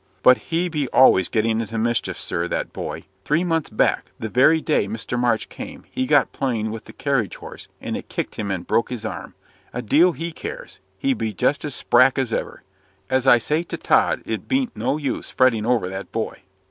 "But he be always getting into mischief, sir that boy. Three months back, the very day Mr. March came, he got playing with the carriage horse, and it kicked him and broke his arm. A deal he cares: he be just as sprack as ever. As I say to Tod it bean't no use fretting over that boy."